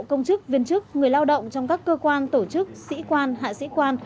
công chức viên chức người lao động trong các cơ quan tổ chức sĩ quan hạ sĩ quan